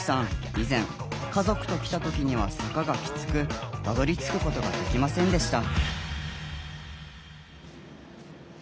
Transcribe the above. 以前家族と来た時には坂がきつくたどりつくことができませんでした。